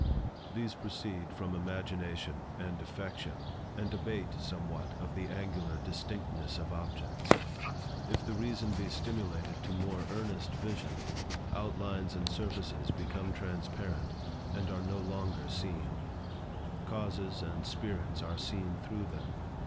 These proceed from imagination and affection, and abate somewhat of the angular distinctness of objects. If the Reason be stimulated to more earnest vision, outlines and surfaces become transparent, and are no longer seen; causes and spirits are seen through them.